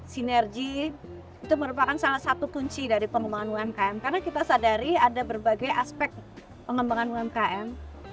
sinergi itu merupakan salah satu kunci dari pengembangan umkm karena kita sadari ada berbagai aspek pengembangan umkm